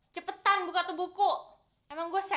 tapi kamu harus belajar apa saja